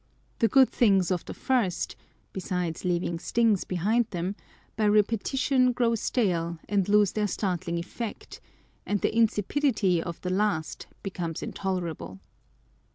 The good tilings of the first (besides leaving stings behind them) by repeti tion grow stale, and lose their startling effect ; and the insipidity of the last becomes intolerable.